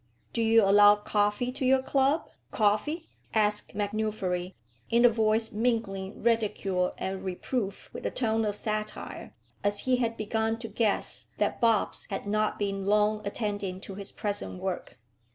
"Do you allow coffee to your club; coffee?" asked MacNuffery, in a voice mingling ridicule and reproof with a touch of satire, as he had begun to guess that Bobbs had not been long attending to his present work.